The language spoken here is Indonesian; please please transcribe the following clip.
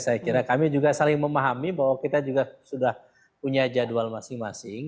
saya kira kami juga saling memahami bahwa kita juga sudah punya jadwal masing masing